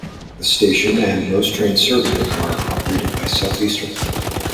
The station, and most trains serving it, are operated by Southeastern.